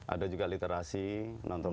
ada juga literasi nonton